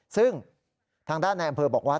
ซึ่งทางด้านอำเพลินเดียวก็บอกว่า